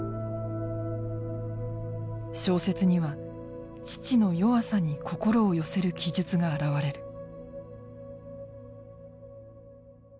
小説には父の弱さに心を寄せる記述が現れる。